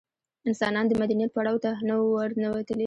انسانان د مدنیت پړاو ته نه وو ورننوتلي.